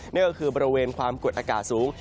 นั่นก็คือบริเวณความกดอากาศสูง